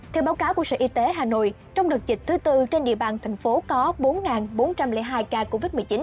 theo báo cáo của sở y tế hà nội trong đợt dịch thứ tư trên địa bàn thành phố có bốn bốn trăm linh hai ca covid một mươi chín